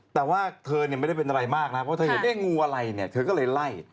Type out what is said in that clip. แต่ว่าเธอไม่ได้เป็นอะไรมากนะครับเพราะเธอเห็นเงี๊ยงงูอะไรเธอก็เลยไล่